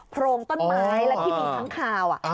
โพรงต้นไม้ที่มีทั้งคาว